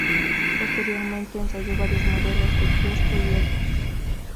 Posteriormente ensayó varios modelos de kiosko y ebook.